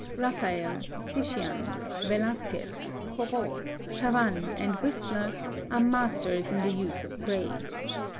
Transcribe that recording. (177) Raphael, Titian, Velasquez, Corot, Chavannes, and Whistler are masters in the use of gray.